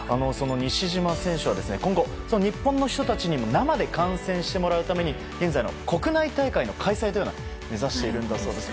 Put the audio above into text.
西島選手は今後、日本の人たちにも生で観戦してもらうために現在、国内大会の開催を目指しているんだそうです。